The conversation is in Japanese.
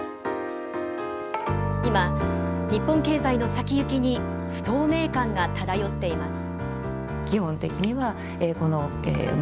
今、日本経済の先行きに不透明感が漂っています。